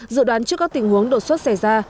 dự đoán trước các tình huống đột xuất xảy ra